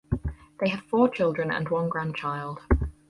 They have four children and one grandchild.